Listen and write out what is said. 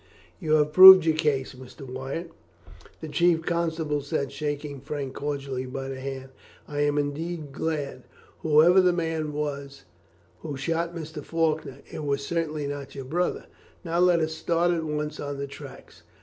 "You have proved your case, Mr. Wyatt," the chief constable said, shaking Frank cordially by the hand. "I am indeed glad. Whoever the man was who shot Mr. Faulkner, it was certainly not your brother. Now let us start at once on the tracks."